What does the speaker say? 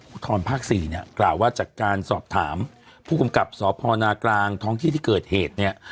ทรภาค๔เนี่ยกล่าวว่าจากการสอบถามผู้กำกับสพนากลางท้องที่ที่เกิดเหตุเนี่ย